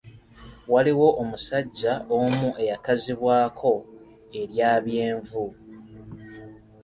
Waaliwo omusajja omu eyakazibwako erya Byenvu.